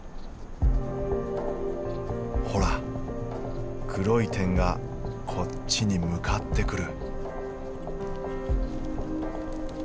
ほら黒い点がこっちに向かってくる。